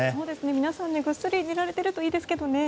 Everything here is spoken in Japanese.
皆さん、ぐっすり寝られてるといいですけどね。